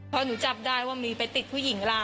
พอหนูจับได้ว่ามีไปติดผู้หญิงล่ะ